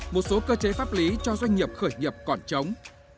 một số cơ chế pháp lý cho doanh nghiệp khởi nghiệp còn chống